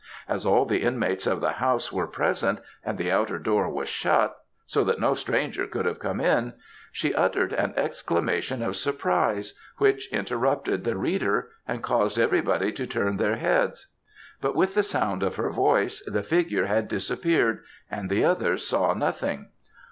As all the inmates of the house were present, and the outer door was shut, so that no stranger could have come in, she uttered an exclamation of surprise which interrupted the reader, and caused everybody to turn their heads; but with the sound of her voice the figure had disappeared, and the others saw nothing.